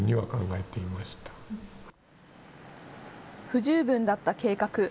不十分だった計画。